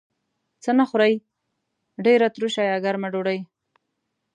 څه نه خورئ؟ ډیره تروشه یا ګرمه ډوډۍ